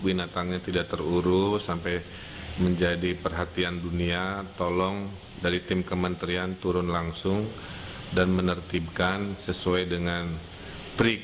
binatangnya tidak terurus sampai menjadi perhatian dunia tolong dari tim kementerian turun langsung dan menertibkan sesuai dengan trik